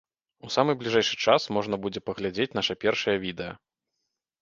У самы бліжэйшы час можна будзе паглядзець наша першае відэа.